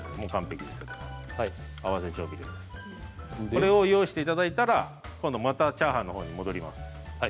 これを用意していただいたら今度またチャーハンのほうに戻ります。